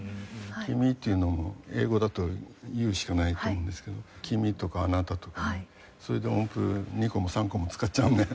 「きみ」っていうのも英語だと「ＹＯＵ」しかないと思うんですけど「きみ」とか「あなた」とかねそれで音符２個も３個も使っちゃうんで。